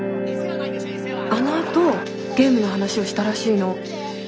あのあとゲームの話をしたらしいの。